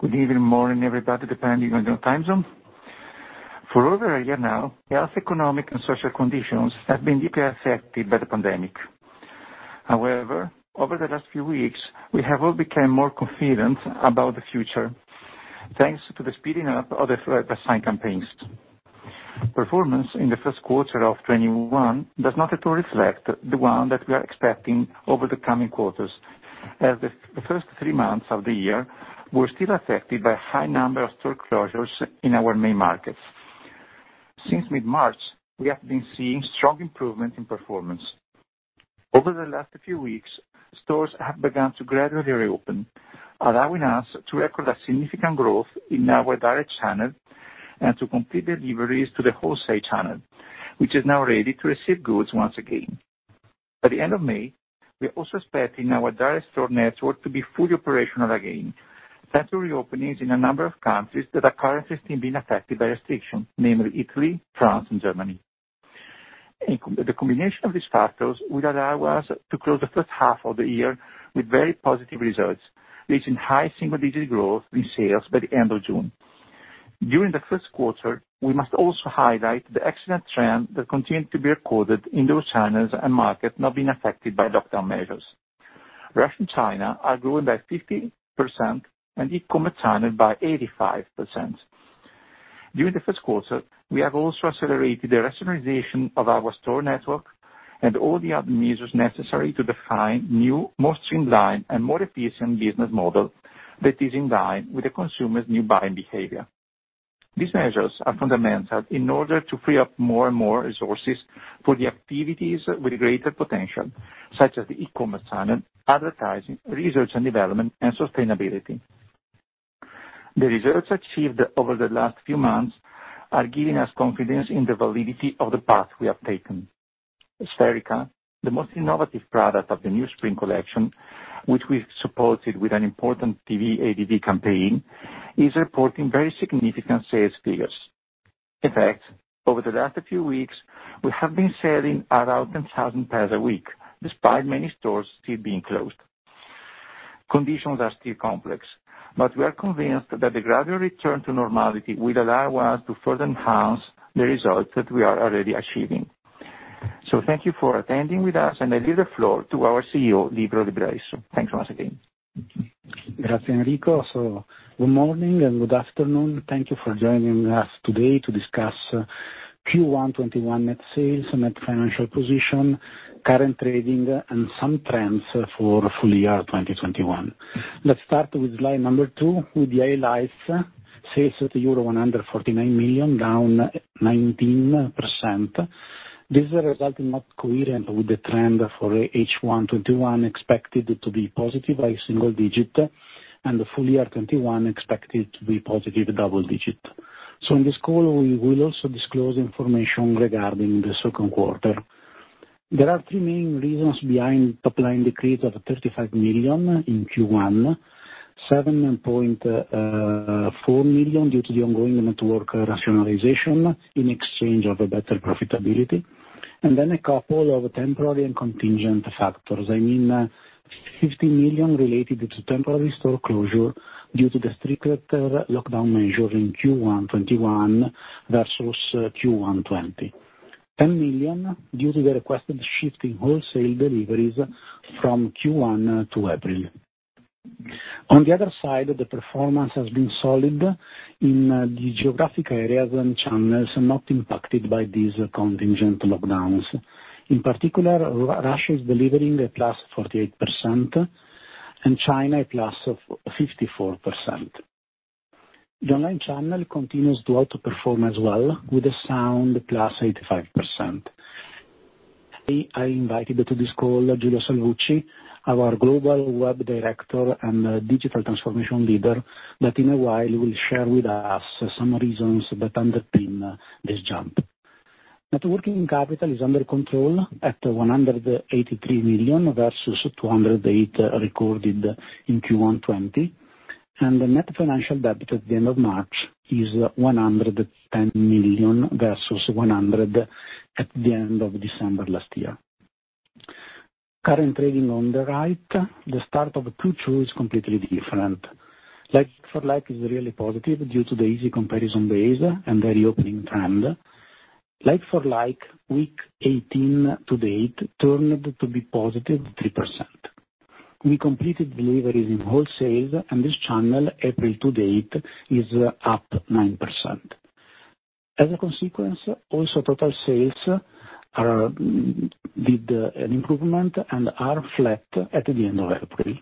Good evening, morning, everybody, depending on your time zone. For over a year now, health, economic, and social conditions have been deeply affected by the pandemic. However, over the last few weeks, we have all become more confident about the future, thanks to the speeding up of the vaccine campaigns. Performance in the first quarter of 2021 does not at all reflect the one that we are expecting over the coming quarters, as the first three months of the year were still affected by high number of store closures in our main markets. Since mid-March, we have been seeing strong improvement in performance. Over the last few weeks, stores have begun to gradually reopen, allowing us to record a significant growth in our direct channel and to complete deliveries to the wholesale channel, which is now ready to receive goods once again. By the end of May, we're also expecting our direct store network to be fully operational again, thanks to reopenings in a number of countries that are currently still being affected by restrictions, namely Italy, France, and Germany. The combination of these factors will allow us to close the first half of the year with very positive results, leading high single-digit growth in sales by the end of June. During the first quarter, we must also highlight the excellent trend that continued to be recorded in those channels and markets not being affected by lockdown measures. Russia and China are growing by 50% and e-commerce channel by 85%. During the first quarter, we have also accelerated the rationalization of our store network and all the other measures necessary to define new, more streamlined, and more efficient business model that is in line with the consumer's new buying behavior. These measures are fundamental in order to free up more and more resources for the activities with greater potential, such as the e-commerce channel, advertising, research and development, and sustainability. The results achieved over the last few months are giving us confidence in the validity of the path we have taken. Spherica, the most innovative product of the new spring collection, which we've supported with an important TV ADV campaign, is reporting very significant sales figures. In fact, over the last few weeks, we have been selling around 10,000 pairs a week, despite many stores still being closed. Conditions are still complex, but we are convinced that the gradual return to normality will allow us to further enhance the results that we are already achieving. Thank you for attending with us, and I give the floor to our CEO, Livio Libralesso. Thanks once again. Good afternoon, Enrico. Good morning and good afternoon. Thank you for joining us today to discuss Q1 2021 net sales, net financial position, current trading, and some trends for full year 2021. Let's start with slide number two with the highlights. Sales at euro 149 million, down 19%. This is a result not coherent with the trend for H1 2021 expected to be positive by single digit, and the full year 2021 expected to be positive double digit. In this call, we will also disclose information regarding the second quarter. There are three main reasons behind top line decrease of 35 million in Q1. 7.4 million due to the ongoing network rationalization in exchange of a better profitability, and then a couple of temporary and contingent factors. I mean, 16 million related to temporary store closure due to the stricter lockdown measure in Q1 2021 versus Q1 2020. 10 million due to the requested shift in wholesale deliveries from Q1 to April. On the other side, the performance has been solid in the geographic areas and channels not impacted by these contingent lockdowns. In particular, Russia is delivering a +48% and China a +54%. The online channel continues to outperform as well with a sound +85%. I invited to this call Giulio Salvucci, our Global Web Director and Digital Transformation Leader, that in a while will share with us some reasons that underpin this jump. Net working capital is under control at 183 million versus 208 million recorded in Q1 2020, and the net financial debt at the end of March is 110 million versus 100 million at the end of December last year. Current trading on the right. The start of Q2 is completely different. Like-for-like is really positive due to the easy comparison base and the reopening trend. Like-for-like, week 18 to date turned out to be positive 3%. We completed deliveries in wholesale, this channel, April to date, is up 9%. Total sales did an improvement and are flat at the end of April.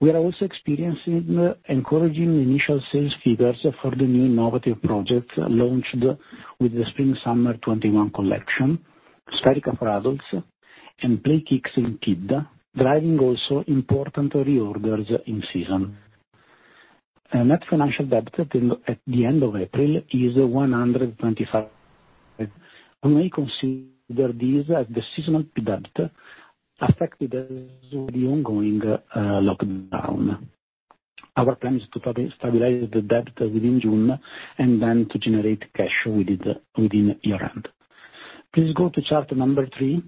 We are also experiencing encouraging initial sales figures for the new innovative project launched with the Spring/Summer 2021 collection, Spherica for adults and PlayKix in kid, driving also important reorders in season. Net financial debt at the end of April is 125 million. We may consider this as the seasonal debt affected as with the ongoing lockdown. Our plan is to stabilize the debt within June to generate cash within year end. Please go to chart number three.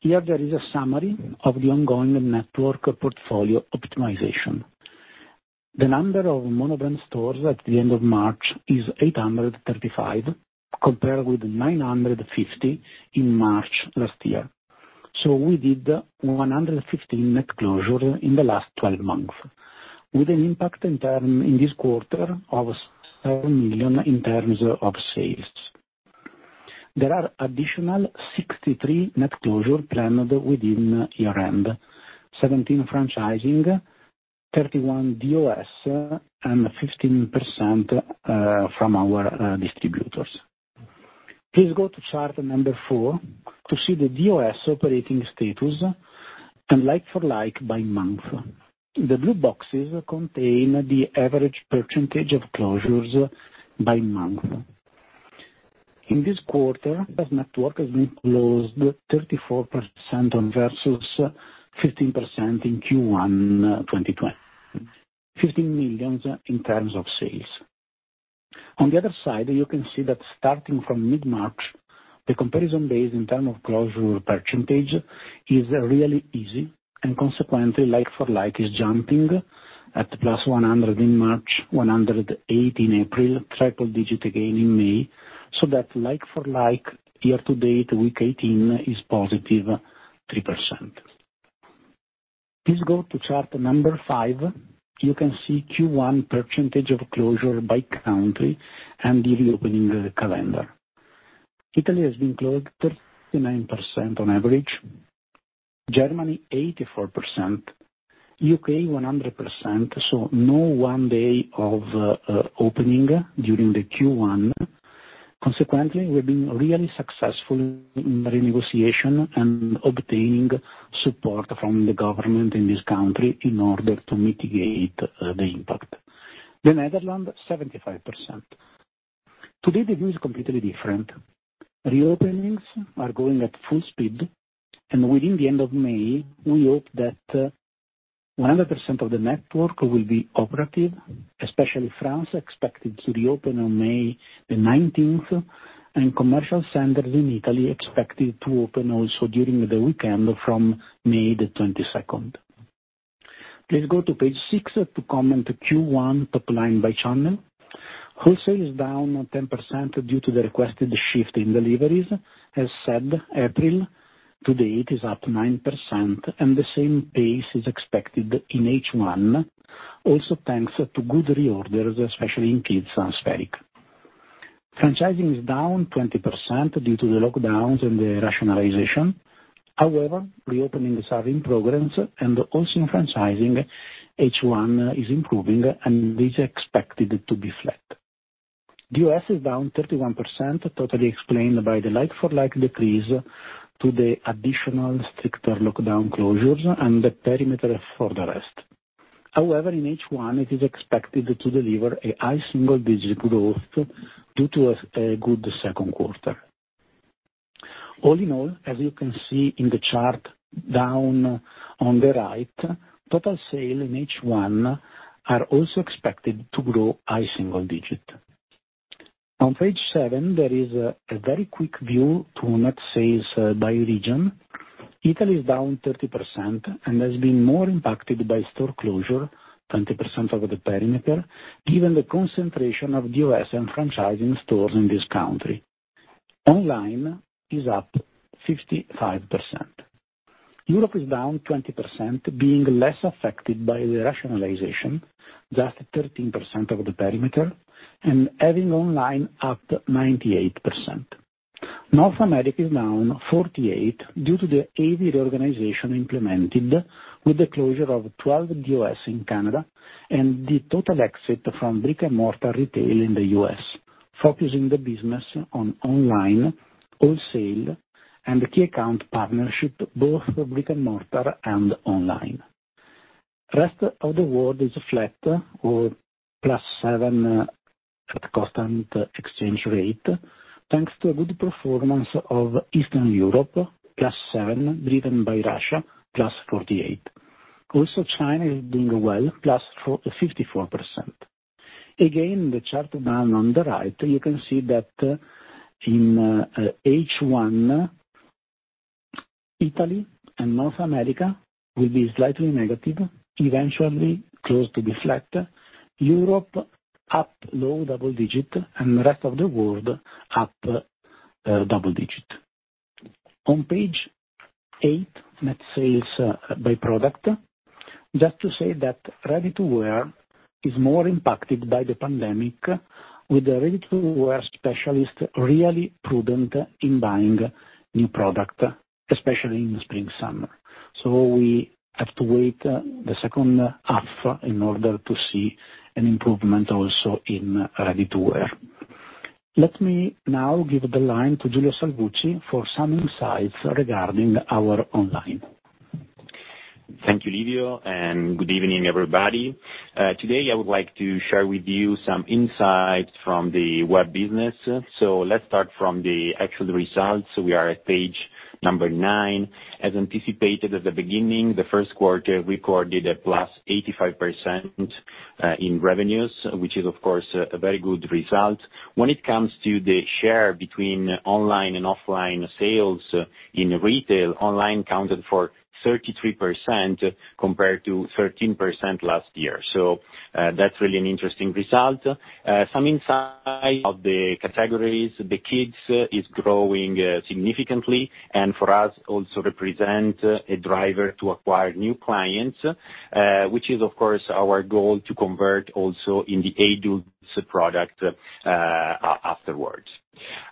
Here there is a summary of the ongoing network portfolio optimization. The number of monobrand stores at the end of March is 835, compared with 950 in March last year. We did 115 net closure in the last 12 months, with an impact in this quarter of 7 million in terms of sales. There are additional 63% net closure planned within year-end. 17% franchising, 31% DOS, and 15% from our distributors. Please go to chart number four to see the DOS operating status and like-for-like by month. The blue boxes contain the average percentage of closures by month. In this quarter, this network has been closed 34% versus 15% in Q1 2020. 15 million in terms of sales. On the other side, you can see that starting from mid-March, the comparison base in terms of closure percentage is really easy and consequently like-for-like is jumping at +100% in March, +108% in April, triple-digit again in May, so that like-for-like year to date, week 18 is +3%. Please go to chart number five. You can see Q1 percentage of closure by country and the reopening calendar. Italy has been closed 39% on average, Germany 84%, U.K. 100%, so no one day of opening during the Q1. We've been really successful in the negotiation and obtaining support from the government in this country in order to mitigate the impact. The Netherlands, 75%. Today the view is completely different. Reopenings are going at full speed and within the end of May, we hope that 100% of the network will be operative, especially France expected to reopen on May the 19th, and commercial centers in Italy expected to open also during the weekend from May the 22nd. Please go to page six to comment Q1 top line by channel. Wholesale is down 10% due to the requested shift in deliveries. As said, April to date is up 9%, and the same pace is expected in H1, also thanks to good reorders, especially in kids and Spherica. Franchising is down 20% due to the lockdowns and the rationalization. However, reopenings are in progress and also in franchising, H1 is improving and is expected to be flat. DOS is down 31%, totally explained by the like-for-like decrease to the additional stricter lockdown closures and the perimeter for the rest. However, in H1 it is expected to deliver a high single digit growth due to a good second quarter. All in all, as you can see in the chart down on the right, total sale in H1 are also expected to grow high single digit. On page seven, there is a very quick view to net sales by region. Italy is down 30% and has been more impacted by store closure, 20% over the perimeter, given the concentration of DOS and franchising stores in this country. Online is up 55%. Europe is down 20%, being less affected by the rationalization, just 13% of the perimeter, and having online up 98%. North America is down 48% due to the heavy reorganization implemented with the closure of 12 DOS in Canada and the total exit from brick-and-mortar retail in the U.S., focusing the business on online, wholesale, and key account partnership, both for brick-and-mortar and online. Rest of the world is flat or +7% at constant exchange rate, thanks to a good performance of Eastern Europe, +7%, driven by Russia, +48%. Also, China is doing well, +54%. Again, the chart down on the right, you can see that in H1, Italy and North America will be slightly negative, eventually close to be flat. Europe up low double-digit and the rest of the world up double-digit. On page eight, net sales by product. Just to say that ready-to-wear is more impacted by the pandemic, with the ready-to-wear specialist really prudent in buying new product, especially in spring/summer. We have to wait the second half in order to see an improvement also in ready-to-wear. Let me now give the line to Giulio Salvucci for some insights regarding our online. Thank you, Livio. Good evening, everybody. Today, I would like to share with you some insights from the web business. Let's start from the actual results. We are at page nine. As anticipated at the beginning, the first quarter recorded a plus 85% in revenues, which is, of course, a very good result. When it comes to the share between online and offline sales in retail, online accounted for 33% compared to 13% last year. That's really an interesting result. Some insight of the categories, the kids is growing significantly, and for us, also represent a driver to acquire new clients, which is, of course, our goal to convert also in the adults product afterwards.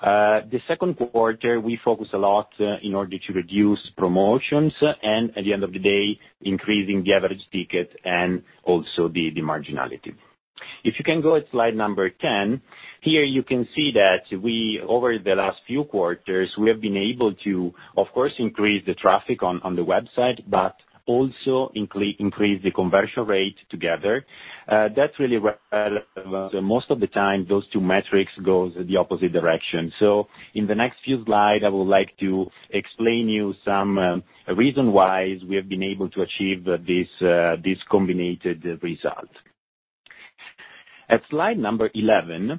The second quarter, we focus a lot in order to reduce promotions, and at the end of the day, increasing the average ticket and also the marginality. You can go at slide number 10. Here, you can see that we, over the last few quarters, we have been able to, of course, increase the traffic on the website, but also increase the conversion rate together. That's really well. Most of the time, those two metrics goes the opposite direction. In the next few slide, I would like to explain you some reason why we have been able to achieve these combined results. At slide number 11,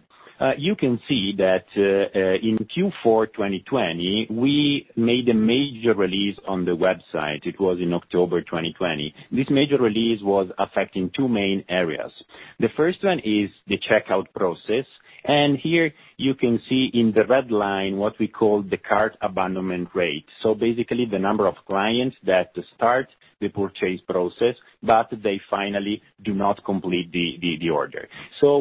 you can see that in Q4 2020, we made a major release on the website. It was in October 2020. This major release was affecting two main areas. The first one is the checkout process. Here you can see in the red line what we call the cart abandonment rate. Basically, the number of clients that start the purchase process, but they finally do not complete the order.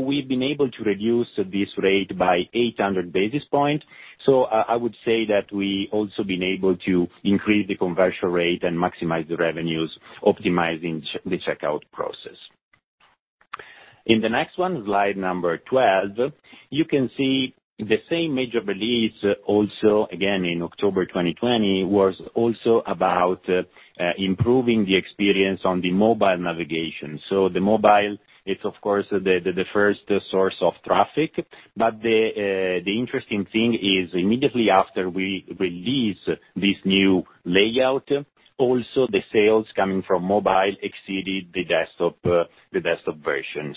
We've been able to reduce this rate by 800 basis points. I would say that we also been able to increase the conversion rate and maximize the revenues, optimizing the checkout process. In the next one, slide number 12, you can see the same major release also, again, in October 2020, was also about improving the experience on the mobile navigation. The mobile is, of course, the first source of traffic. The interesting thing is immediately after we released this new layout, also the sales coming from mobile exceeded the desktop version.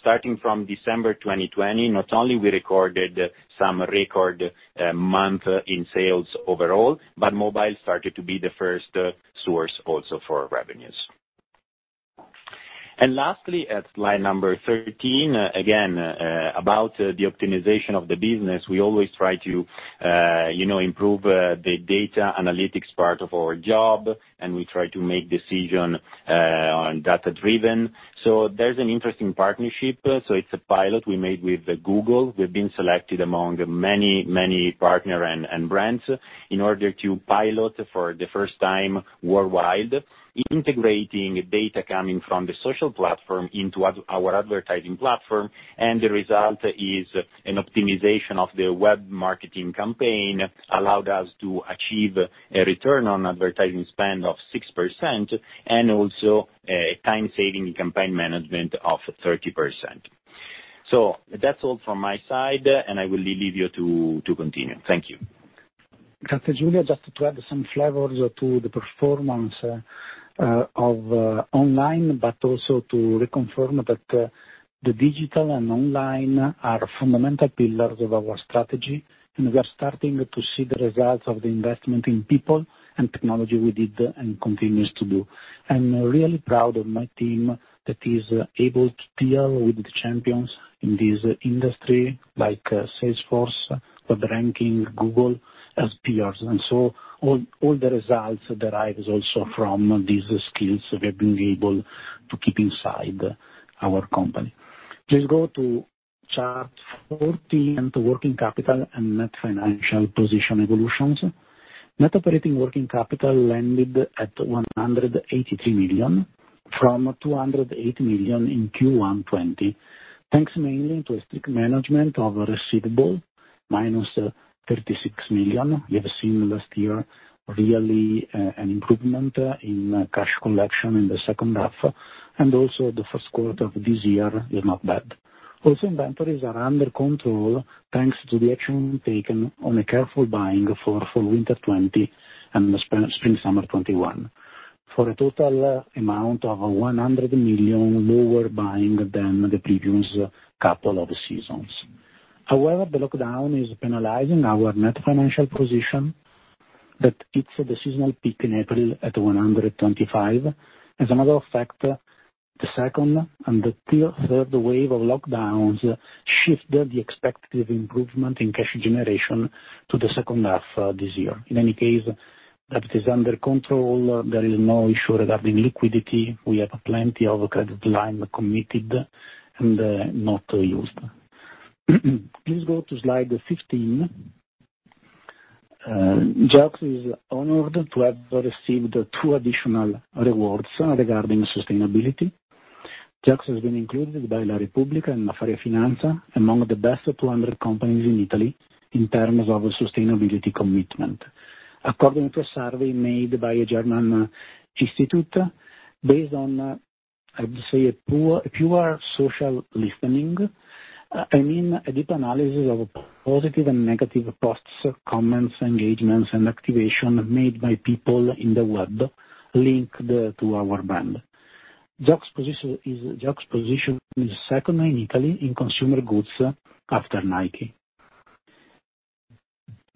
Starting from December 2020, not only we recorded some record month in sales overall, but mobile started to be the first source also for revenues. Lastly, at slide number 13, again, about the optimization of the business, we always try to improve the data analytics part of our job, and we try to make decision on data-driven. There's an interesting partnership. It's a pilot we made with Google. We've been selected among many, many partner and brands in order to pilot for the first time worldwide, integrating data coming from the social platform into our advertising platform. The result is an optimization of the web marketing campaign, allowed us to achieve a return on advertising spend of 6% and also a time saving in campaign management of 30%. That's all from my side, and I will leave you to continue. Thank you. Thanks, Giulio. Just to add some flavors to the performance of online, also to reconfirm that the digital and online are fundamental pillars of our strategy, we are starting to see the results of the investment in people and technology we did and continues to do. I'm really proud of my team that is able to deal with the champions in this industry like Salesforce, Webranking, Google, as peers. All the results derives also from these skills we have been able to keep inside our company. Please go to chart 14, the working capital and net financial position evolutions. Net operating working capital landed at 183 million from 208 million in Q1 2020, thanks mainly to a strict management of receivable, -36 million. We have seen last year, really an improvement in cash collection in the second half, and also the first quarter of this year is not bad. Also, inventories are under control, thanks to the action taken on a careful buying for fall/winter 2020 and spring/summer 2021. For a total amount of 100 million lower buying than the previous couple of seasons. However, the lockdown is penalizing our net financial position, but it's a seasonal peak in April at 125 million. As another effect, the second and the third wave of lockdowns shifted the expected improvement in cash generation to the second half this year. In any case, that is under control. There is no issue regarding liquidity. We have plenty of credit line committed and not used. Please go to slide 15. Geox is honored to have received two additional rewards regarding sustainability. Geox has been included by la Repubblica and Affari & Finanza among the best 200 companies in Italy in terms of sustainability commitment. According to a survey made by a German institute based on I would say a pure social listening. I mean a deep analysis of positive and negative posts, comments, engagements, and activation made by people on the web linked to our brand. Geox position is second in Italy in consumer goods after Nike.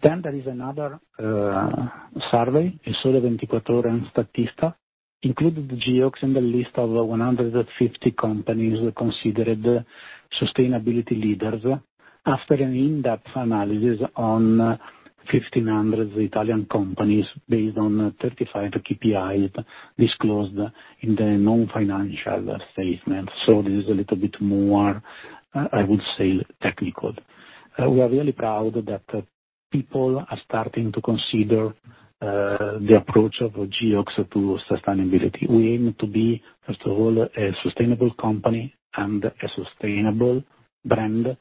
There is another survey, Il Sole 24 Ore and Statista, included Geox in the list of 150 companies considered sustainability leaders after an in-depth analysis on 1,500 Italian companies based on 35 KPIs disclosed in the non-financial statement. This is a little bit more, I would say, technical. We are really proud that people are starting to consider the approach of Geox to sustainability. We aim to be, first of all, a sustainable company and a sustainable brand.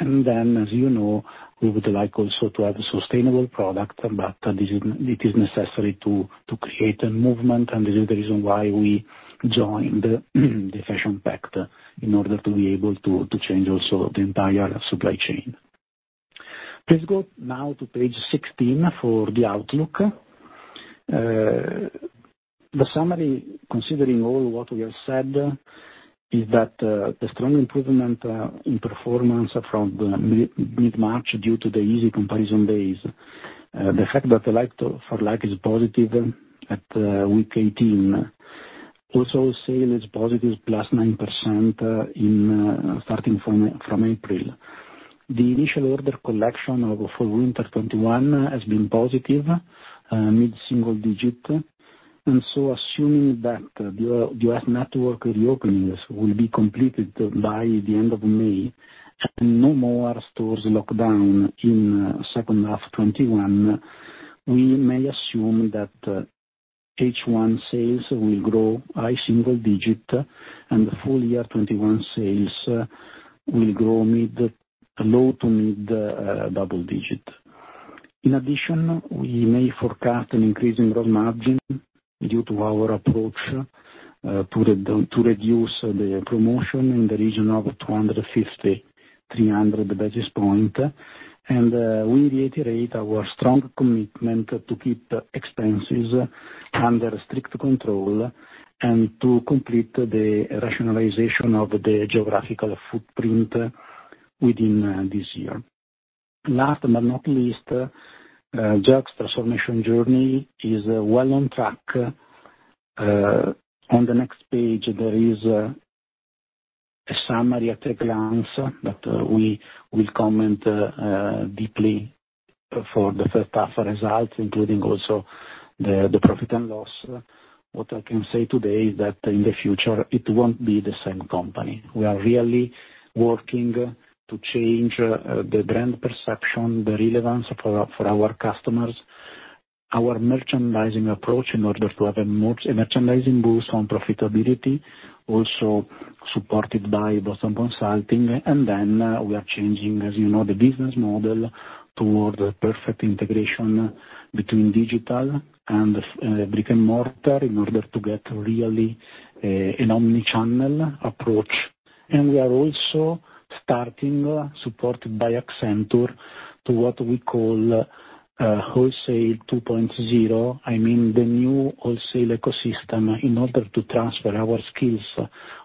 As you know, we would like also to have a sustainable product, but it is necessary to create a movement, and this is the reason why we joined the Fashion Pact, in order to be able to change also the entire supply chain. Please go now to page 16 for the outlook. The summary, considering all what we have said, is that the strong improvement in performance from mid-March is due to the easy comparison base, the fact that the like-for-like is positive at week 18. Also, sale is positive, plus 9% starting from April. The initial order collection of fall-winter 2021 has been positive, mid-single digit. Assuming that the U.S. network reopenings will be completed by the end of May, and no more stores lock down in second half 2021, we may assume that H1 sales will grow high single-digit, and full year 2021 sales will grow mid-low to mid double-digit. In addition, we may forecast an increase in gross margin due to our approach to reduce the promotion in the region of 250, 300 basis points. We reiterate our strong commitment to keep expenses under strict control and to complete the rationalization of the geographical footprint within this year. Last but not least, Geox transformation journey is well on track. On the next page, there is a summary at a glance that we will comment deeply for the first half results, including also the profit and loss. What I can say today is that in the future, it won't be the same company. We are really working to change the brand perception, the relevance for our customers, our merchandising approach in order to have a merchandising boost on profitability, also supported by Boston Consulting. Then we are changing, as you know, the business model toward perfect integration between digital and brick-and-mortar in order to get really an omni-channel approach. We are also starting, supported by Accenture, to what we call Wholesale 2.0. I mean the new wholesale ecosystem in order to transfer our skills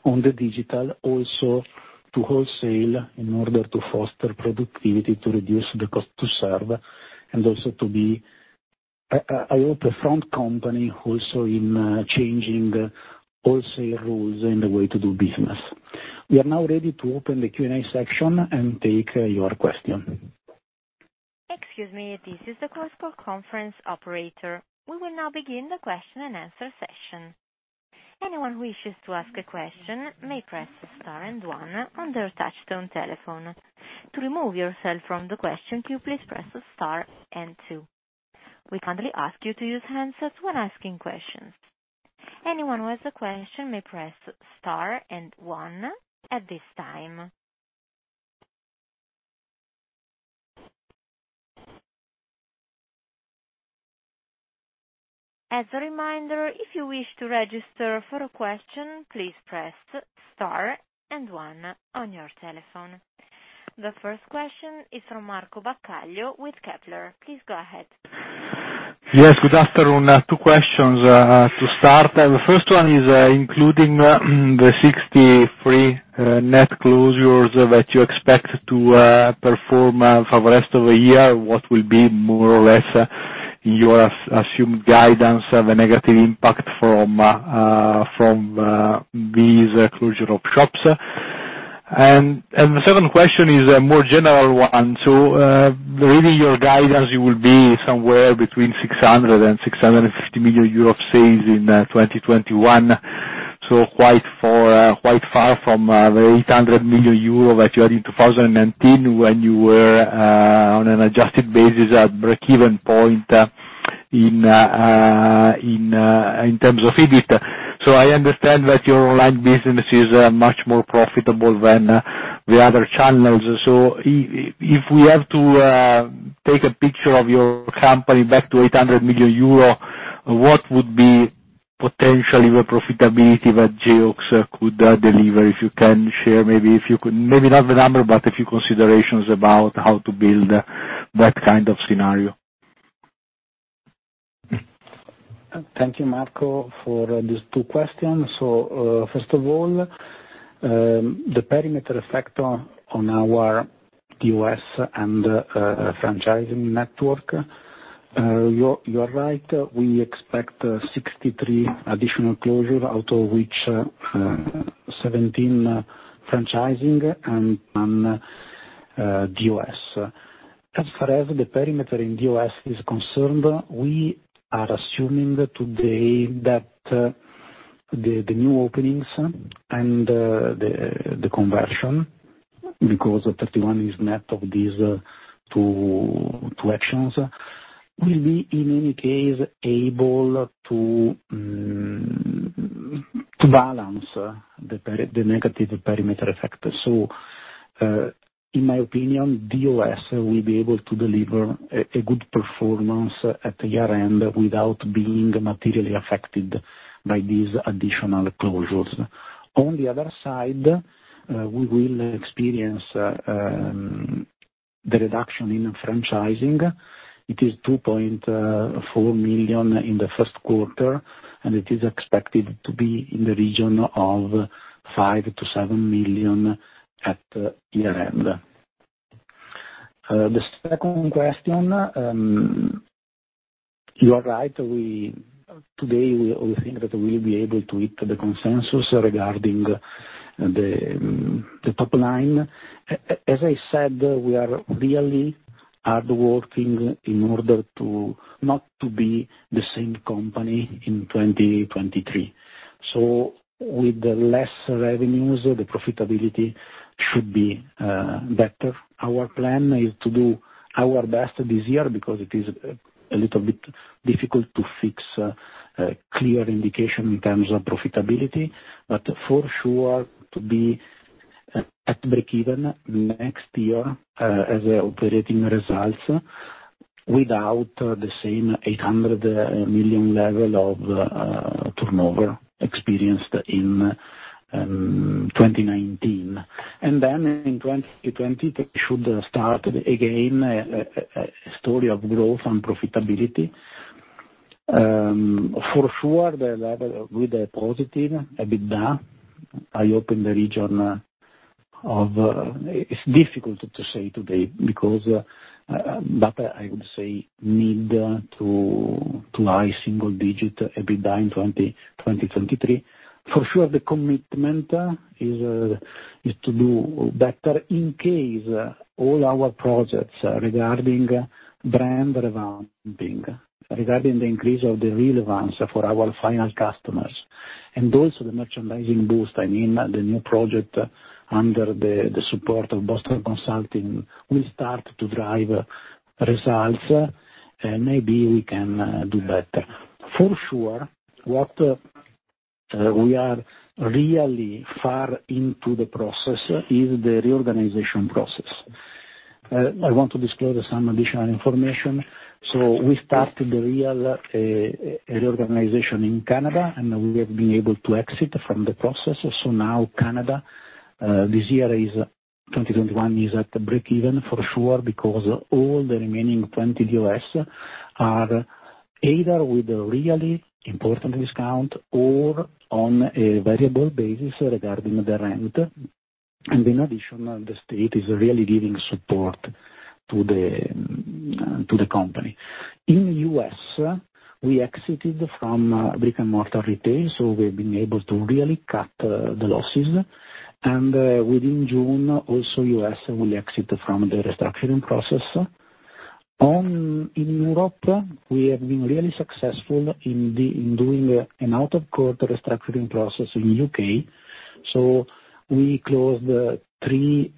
on the digital, also to wholesale, in order to foster productivity, to reduce the cost to serve, and also to be a front company also in changing wholesale rules and the way to do business. We are now ready to open the Q&A section and take your question. Excuse me, this is the conference operator. We will now begin the question-and-answer session. Anyone who wishes to ask a question may press star and one on their touch tone telephone. To remove yourself from the question queue, please press the star and two. We kindly ask you to use handsets when asking questions. Anyone who has a question may press star and one at this time. As a reminder, if you wish to register for a question, please press star and one on your telephone. The first question is from Marco Baccaglio with Kepler. Please go ahead. Yes, good afternoon. Two questions to start. The first one is including the 63 net closures that you expect to perform for the rest of the year, what will be more or less your assumed guidance, the negative impact from these closure of shops? The second question is a more general one. Reading your guidance, you will be somewhere between 600 million and 650 million euro sales in 2021. Quite far from the 800 million euro that you had in 2019 when you were, on an adjusted basis, at break-even point in terms of EBIT. I understand that your online business is much more profitable than the other channels. If we have to take a picture of your company back to 800 million euro, what would be potentially the profitability that Geox could deliver? If you can share, maybe not the number, but a few considerations about how to build that kind of scenario. Thank you, Marco, for these two questions. First of all, the perimeter effect on our DOS and franchising network. You are right, we expect 63 additional closures, out of which 17 franchising and DOS. As far as the perimeter in DOS is concerned, we are assuming today that the new openings and the conversion, because 31 is net of these two actions, will be, in any case, able to balance the negative perimeter effect. In my opinion, DOS will be able to deliver a good performance at the year-end without being materially affected by these additional closures. On the other side, we will experience the reduction in franchising. It is 2.4 million in the first quarter, and it is expected to be in the region of 5 million-7 million at year-end. The second question. You are right. Today, we think that we'll be able to hit the consensus regarding the top line. As I said, we are really hard-working in order to not to be the same company in 2023. With the less revenues, the profitability should be better. Our plan is to do our best this year because it is a little bit difficult to fix a clear indication in terms of profitability, but for sure, to be at breakeven next year as operating results without the same 800 million level of turnover experienced in 2019. In 2023, we should start again a story of growth and profitability. For sure, the level with a positive EBITDA, it's difficult to say today because, but I would say need to high single digit EBITDA in 2023. For sure, the commitment is to do better in case all our projects regarding brand revamping, regarding the increase of the relevance for our final customers. Also the merchandising boost, I mean, the new project under the support of Boston Consulting will start to drive results, and maybe we can do better. For sure, what we are really far into the process is the reorganization process. I want to disclose some additional information. We started the real reorganization in Canada, and we have been able to exit from the process. Now Canada, this year, 2021, is at breakeven for sure because all the remaining 20 doors are either with a really important discount or on a variable basis regarding the rent. In addition, the state is really giving support to the company. In U.S., we exited from brick and mortar retail, we've been able to really cut the losses. Within June, also U.S. will exit from the restructuring process. In Europe, we have been really successful in doing an out-of-court restructuring process in U.K. We closed three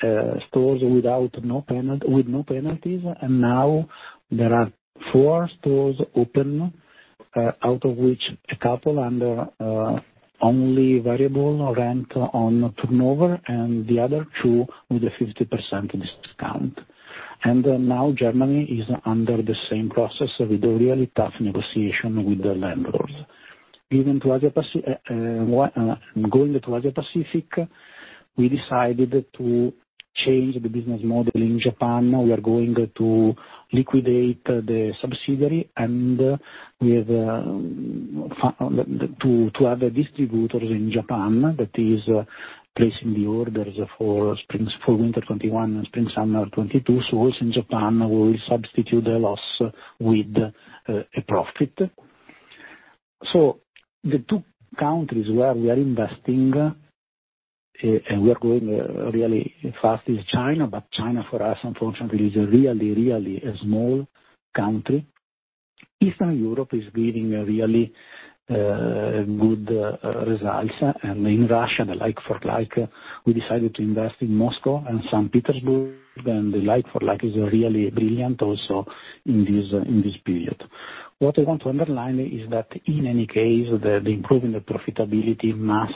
stores with no penalties, now there are four stores open, out of which a couple under only variable rent on turnover and the other two with a 50% discount. Now Germany is under the same process with a really tough negotiation with the landlords. Going to Asia Pacific, we decided to change the business model in Japan. We are going to liquidate the subsidiary and to have a distributor in Japan that is placing the orders for winter 2021 and spring/summer 2022. In Japan, we will substitute the loss with a profit. The two countries where we are investing, and we are going really fast, is China, but China, for us, unfortunately, is really a small country. Eastern Europe is giving really good results. In Russia, the like-for-like, we decided to invest in Moscow and St. Petersburg, and the like-for-like is really brilliant also in this period. What I want to underline is that in any case, the improvement of profitability must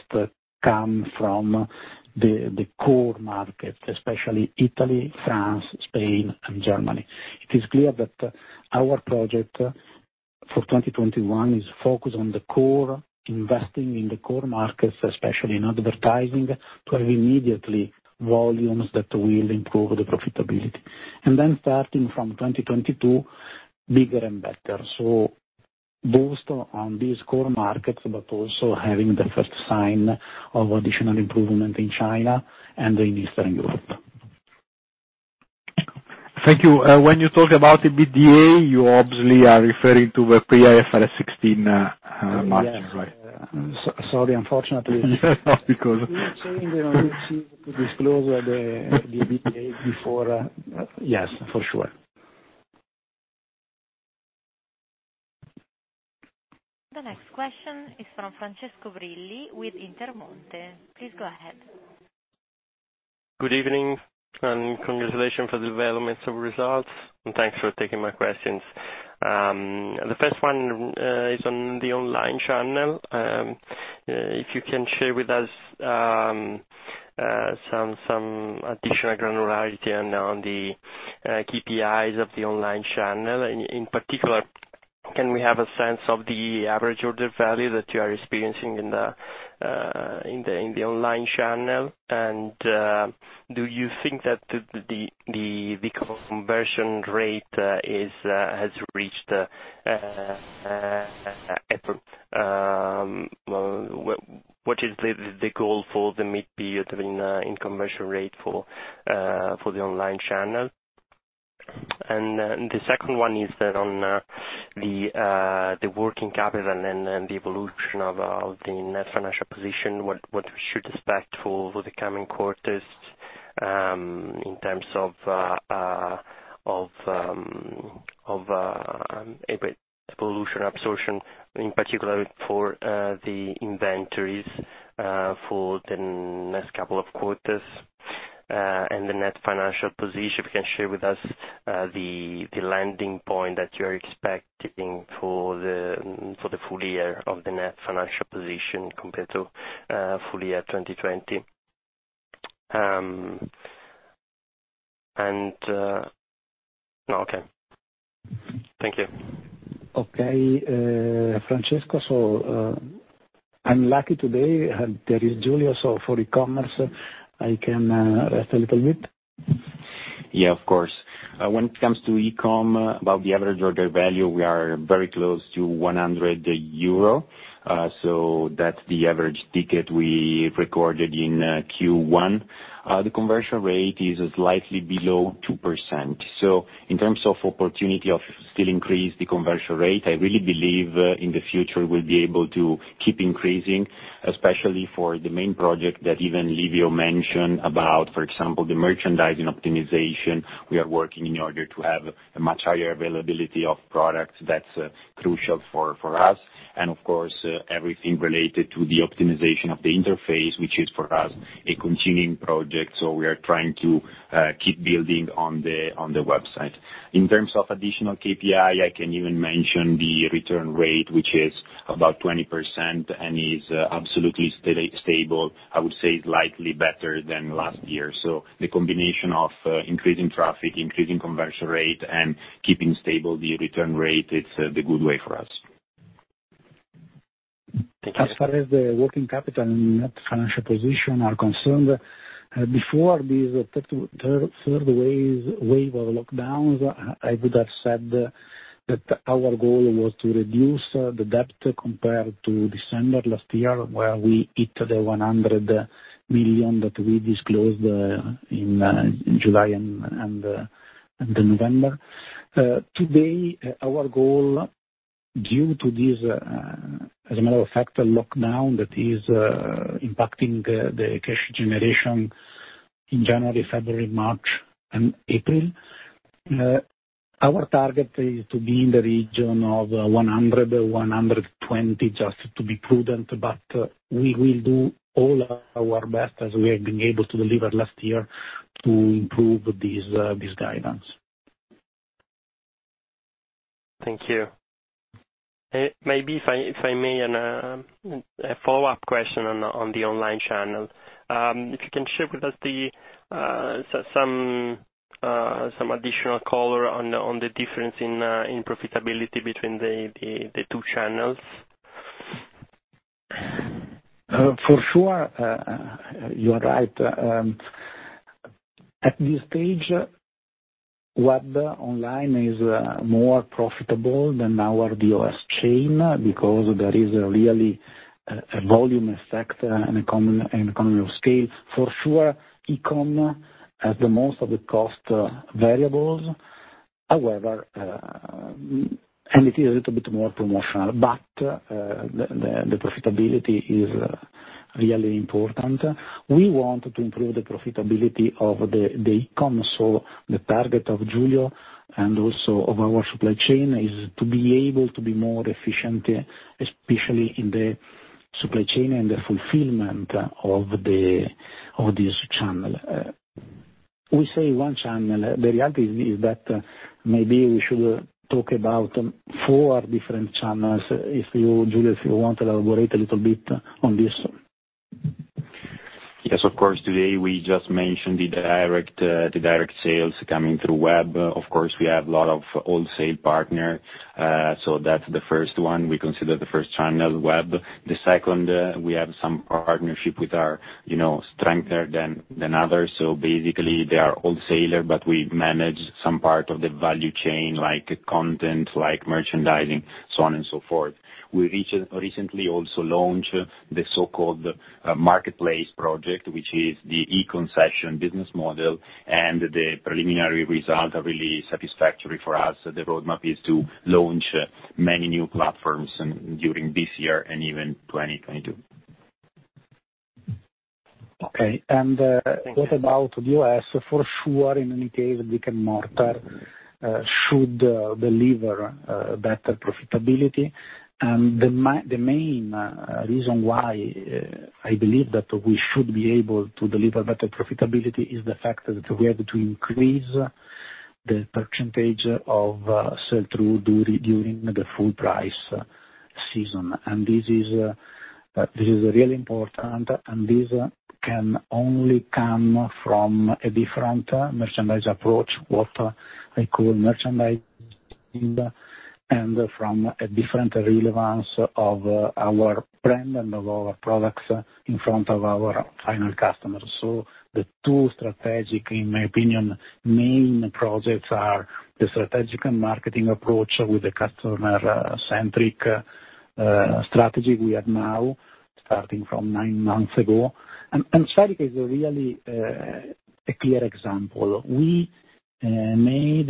come from the core market, especially Italy, France, Spain, and Germany. It is clear that our project for 2021 is focused on the core, investing in the core markets, especially in advertising, to have immediately volumes that will improve the profitability. Then starting from 2022, bigger and better. Both on these core markets, but also having the first sign of additional improvement in China and in Eastern Europe. Thank you. When you talk about EBITDA, you obviously are referring to the pre IFRS 16 margin, right? Yes. Sorry, unfortunately. Because- We are saying that when we achieve to disclose the EBITDA before. Yes, for sure. The next question is from Francesco Brilli with Intermonte. Please go ahead. Good evening. Congratulations for the development of results. Thanks for taking my questions. The first one is on the online channel. If you can share with us some additional granularity on the KPIs of the online channel. In particular, can we have a sense of the average order value that you are experiencing in the online channel? Do you think that the conversion rate has reached, well, what is the goal for the mid period in conversion rate for the online channel? The second one is that on the working capital and the evolution of the net financial position. What we should expect for the coming quarters, in terms of evolution absorption, in particular for the inventories for the next couple of quarters? The net financial position, if you can share with us the landing point that you're expecting for the full year of the net financial position compared to full year 2020. Thank you. Okay. Francesco, I'm lucky today. There is Giulio, for e-commerce, I can rest a little bit. Yeah, of course. When it comes to e-com, about the average order value, we are very close to 100 euro. That's the average ticket we recorded in Q1. The conversion rate is slightly below 2%. In terms of opportunity of still increase the conversion rate, I really believe in the future we'll be able to keep increasing, especially for the main project that even Livio mentioned about, for example, the merchandising optimization. We are working in order to have a much higher availability of products. That's crucial for us. Of course, everything related to the optimization of the interface, which is for us a continuing project. We are trying to keep building on the website. In terms of additional KPI, I can even mention the return rate, which is about 20% and is absolutely stable. I would say slightly better than last year. The combination of increasing traffic, increasing conversion rate, and keeping stable the return rate, it's the good way for us. As far as the working capital and net financial position are concerned, before this third wave of lockdowns, I would have said that our goal was to reduce the debt compared to December last year, where we hit the 100 million that we disclosed in July and November. Today, our goal, due to this, as a matter of fact, lockdown that is impacting the cash generation in January, February, March, and April, our target is to be in the region of 100 million-120 million, just to be prudent, but we will do all our best as we have been able to deliver last year to improve this guidance. Thank you. Maybe, if I may, a follow-up question on the online channel. If you can share with us some additional color on the difference in profitability between the two channels. For sure. You are right. At this stage, web online is more profitable than our DOS chain because there is really a volume effect and economy of scale. For sure, e-com has the most of the cost variables. It is a little bit more promotional. The profitability is really important. We want to improve the profitability of the e-com. The target of Giulio and also of our supply chain is to be able to be more efficient, especially in the supply chain and the fulfillment of this channel. We say one channel. The reality is that maybe we should talk about four different channels. Giulio, if you want to elaborate a little bit on this? Today, we just mentioned the direct sales coming through web. Of course, we have a lot of wholesale partner. That's the first one. We consider the first channel, web. The second, we have some partnership with our stronger than others, basically they are wholesalers, but we manage some part of the value chain, like content, like merchandising, so on and so forth. We recently also launched the so-called marketplace project, which is the e-concession business model, and the preliminary results are really satisfactory for us. The roadmap is to launch many new platforms during this year and even 2022. Okay. What about DOS? For sure, in any case, brick-and-mortar should deliver better profitability. The main reason why I believe that we should be able to deliver better profitability is the fact that we are to increase the percentage of sell-through during the full price season. This is really important, and this can only come from a different merchandise approach, what I call merchandise and from a different relevance of our brand and of our products in front of our final customers. The two strategic, in my opinion, main projects are the strategic and marketing approach with the customer-centric strategy we have now, starting from nine months ago. Spherica is really a clear example. We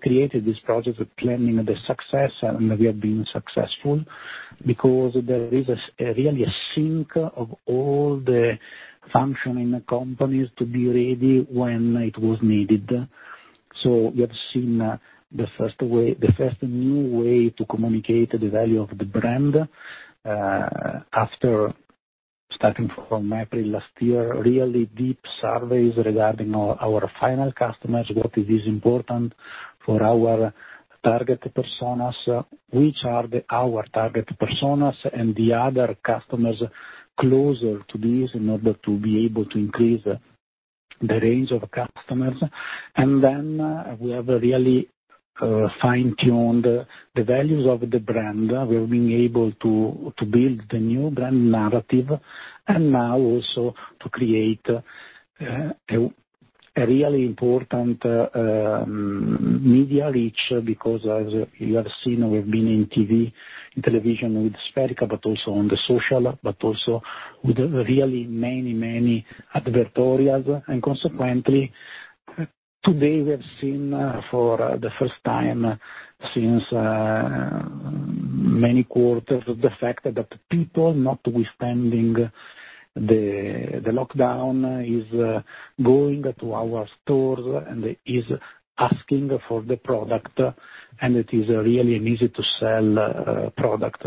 created this project planning the success, and we have been successful because there is really a sync of all the functioning companies to be ready when it was needed. We have seen the first new way to communicate the value of the brand, after starting from April last year, really deep surveys regarding our final customers, what it is important for our target personas, which are our target personas, and the other customers closer to this in order to be able to increase the range of customers. We have really fine-tuned the values of the brand. We're being able to build the new brand narrative, and now also to create a really important media reach because, as you have seen, we've been in TV, in television with Spherica, but also on the social, but also with really many advertorials. Consequently, today, we have seen for the first time since many quarters, the fact that people, notwithstanding the lockdown, is going to our stores and is asking for the product, and it is really an easy-to-sell product.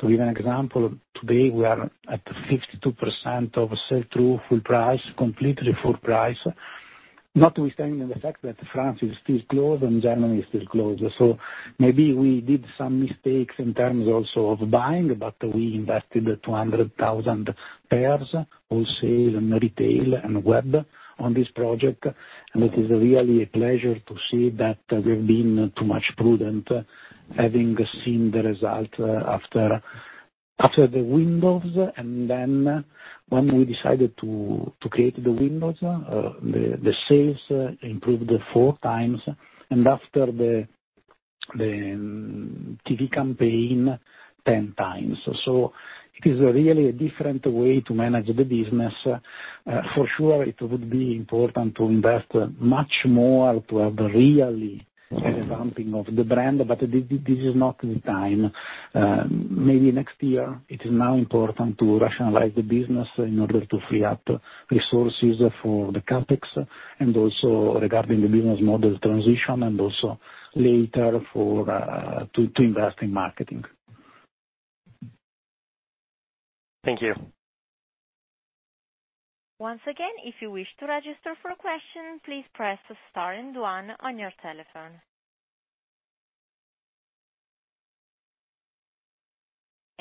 To give an example, today, we are at 62% of sell-through completely full price, notwithstanding the fact that France is still closed and Germany is still closed. Maybe we did some mistakes in terms also of buying, but we invested 200,000 pairs, wholesale and retail and web, on this project, and it is really a pleasure to see that we've been too much prudent, having seen the result after the windows. When we decided to create the windows, the sales improved four times, and after the TV campaign, 10 times. It is really a different way to manage the business. For sure, it would be important to invest much more to have really a stamping of the brand. This is not the time. Maybe next year. It is now important to rationalize the business in order to free up resources for the CapEx, and also regarding the business model transition, and also later to invest in marketing. Thank you. Once again, if you wish to register for a question, please press star and one on your telephone.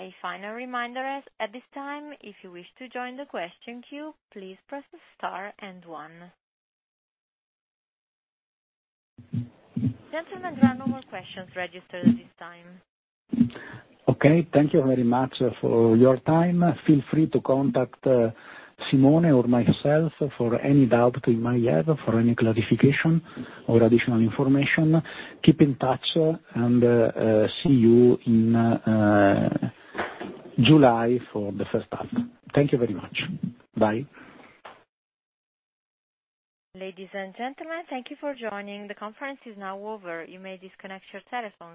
A final reminder at this time. If you wish to join the question queue, please press star and one. Gentlemen, there are no more questions registered at this time. Okay. Thank you very much for your time. Feel free to contact Simone or myself for any doubt you might have, for any clarification or additional information. Keep in touch, and see you in July for the first half. Thank you very much. Bye. Ladies and gentlemen, thank you for joining. The conference is now over. You may disconnect your telephones.